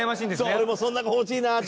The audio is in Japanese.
俺もそんな子欲しいなって。